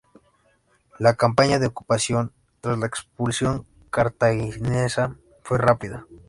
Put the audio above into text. La campaña de ocupación, tras la expulsión cartaginesa, fue rápida.